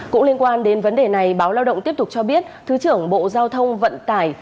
cũng liên quan đến vấn đề này báo lao động tiếp tục cho biết thứ trưởng bộ giao thông vận tải